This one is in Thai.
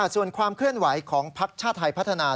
ส่วนความเคลื่อนไหวของภักดิ์ชาติไทยพัฒนา